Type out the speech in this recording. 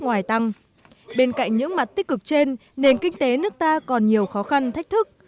nước ngoài tăng bên cạnh những mặt tích cực trên nền kinh tế nước ta còn nhiều khó khăn thách thức